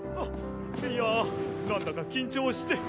いやなんだか緊張して。